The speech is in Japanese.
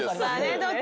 ・どっち？